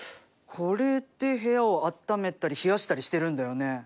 これで部屋をあっためたり冷やしたりしてるんだよね？